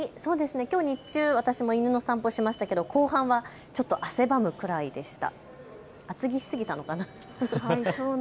きょう日中、私も犬の散歩をしましたが後半はちょっと汗ばむくらいでした。